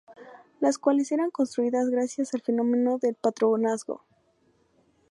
Las cuales eran construidas gracias al fenómeno del patronazgo.